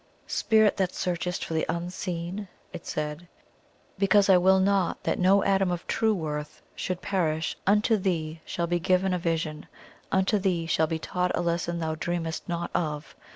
"Spirit that searchest for the Unseen," it said, "because I will not that no atom of true worth should perish, unto thee shall be given a vision unto thee shall be taught a lesson thou dreamest not of.